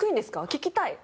聞きたい。